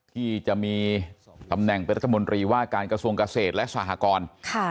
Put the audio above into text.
ที่จะมีตำแหน่งเป็นรัฐมนตรีว่าการกระทรวงเกษตรและสหกร